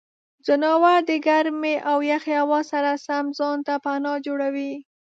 ځناور د ګرمې او یخې هوا سره سم ځان ته پناه جوړوي.